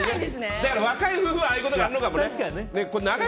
若い夫婦はああいうことがあるのかもね。